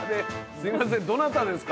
すいません。